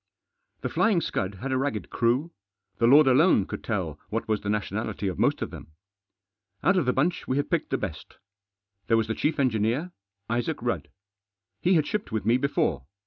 The Flying Scud had a ragged crew, The Lord alone could tell what was the nationality of most of them. Out of the bunch we had picked the best. There was the chief engineer, Isaac Rudd. He had shipped with me before.